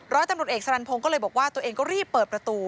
ร้อยตำรวจเอกสรรพงศ์ก็เลยบอกว่าตัวเองก็รีบเปิดประตู